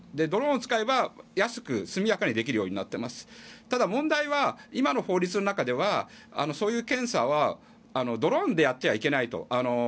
ドローンを使えば安く速やかにできるようになって問題は今の法律の中ではそういう検査はドローンでやってはいけないと。